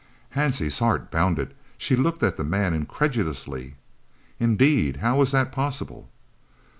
Hansie's heart bounded. She looked at the man incredulously. "Indeed! How was that possible?"